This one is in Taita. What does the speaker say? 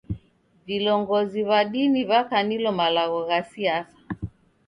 Vilongozi w'a dini wakanilo malagho gha siasa.